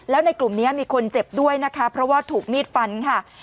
แล้วในกลุ่มนี้มีคนเจ็บด้วยนะคะเพราะว่าถูกมีดฟันค่ะ